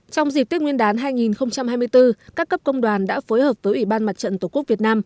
trong dịp tết nguyên đán hai nghìn hai mươi bốn các cấp công đoàn đã phối hợp với ủy ban mặt trận tổ quốc việt nam